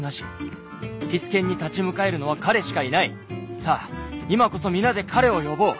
さあ今こそ皆で彼を呼ぼう。